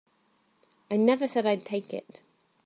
I never said I'd take it.